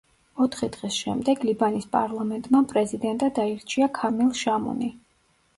ოთხი დღის შემდეგ ლიბანის პარლამენტმა პრეზიდენტად აირჩია ქამილ შამუნი.